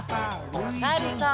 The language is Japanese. おさるさん。